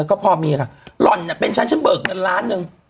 เออก็พ่อเมียค่ะหล่อนเป็นฉันฉันเบิกน้านล้านนึง